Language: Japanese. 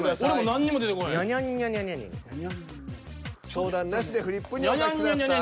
相談なしでフリップにお書きください。